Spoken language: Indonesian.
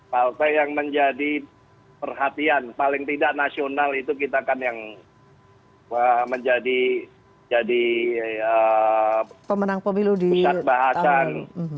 partai yang menjadi perhatian paling tidak nasional itu kita kan yang menjadi pemenang pemilu pusat bahasan